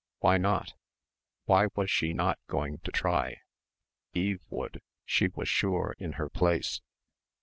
Why not? Why was she not going to try? Eve would, she was sure in her place....